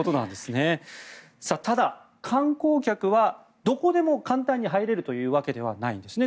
ただ、観光客はどこでも簡単に入れるわけではないんですね。